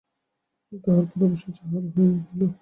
তাহার পর অবশ্য যাহা হয় হইল।